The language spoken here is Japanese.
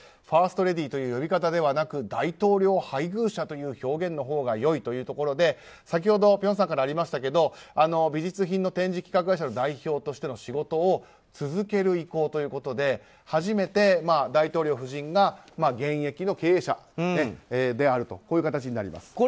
ファーストレディーという呼び方ではなく大統領配偶者という表現のほうが良いというところで先ほど辺さんからありましたけど美術品の展示・企画会社の代表としての仕事を続ける意向ということで初めて大統領夫人が現役の経営者であるという形になります。